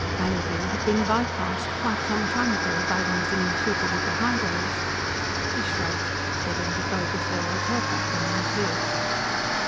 Valleyview had been bypassed quite some time ago by one of the new super duper highways. He shrugged. Getting to Pfleugersville was her problem, not his.